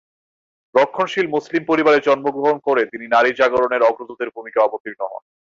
রক্ষণশীল মুসলিম পরিবারে জন্মগ্রহণ করে তিনি নারী জাগরণের অগ্রদূতের ভূমিকায় অবতীর্ণ হন।